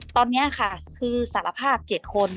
ตอนนี้ค่ะคือสารภาพ๗คน